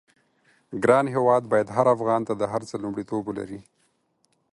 ګران هېواد بايد هر افغان ته د هر څه لومړيتوب ولري.